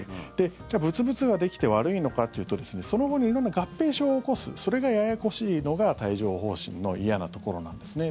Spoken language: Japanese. じゃあ、ブツブツができて悪いのかっていうとその後に色んな合併症を起こすそれがややこしいのが帯状疱疹の嫌なところなんですね。